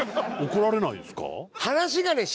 怒られないんですか？